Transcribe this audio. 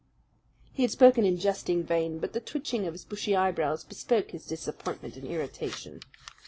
He had spoken in jesting vein, but the twitching of his bushy eyebrows bespoke his disappointment and irritation.